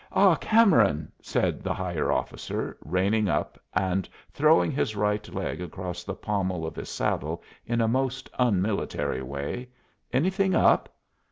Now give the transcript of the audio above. "Ah, Cameron," said the higher officer, reining up, and throwing his right leg across the pommel of his saddle in a most unmilitary way "anything up?